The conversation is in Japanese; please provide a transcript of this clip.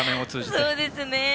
そうでうね。